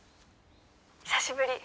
久しぶり